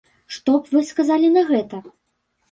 Што б вы сказалі на гэта?